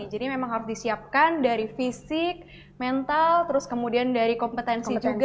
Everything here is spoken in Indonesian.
jadi memang harus disiapkan dari fisik mental terus kemudian dari kompetensi juga